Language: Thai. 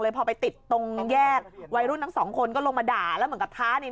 พอไปติดตรงแยกวัยรุ่นทั้งสองคนก็ลงมาด่าแล้วเหมือนกับท้าเนี่ย